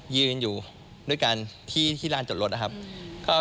ยืนอยู่ด้วยกันที่ลานจอดรถนะครับ